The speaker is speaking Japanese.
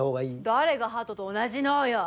誰がハトと同じ脳よ。